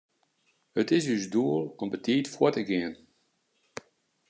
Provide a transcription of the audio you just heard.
It is ús doel om betiid fuort te gean.